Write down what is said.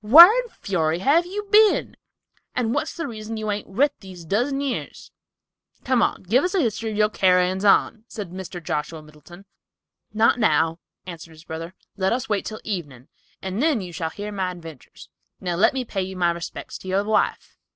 "Whar in fury have you been, and what's the reason you hain't writ these dozen years? Come, give us the history of your carryin's on," said Mr. Joshua Middleton. "Not now," answered his brother. "Let us wait until evening, and then you shall hear my adventures; now let me pay my respects to your wife."